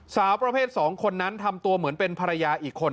สาวประเภท๒คนนั้นทำตัวเหมือนเป็นภรรยาอีกคน